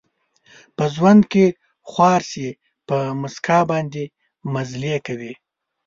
په ژوند کې خوار شي، په مسکا باندې مزلې کوي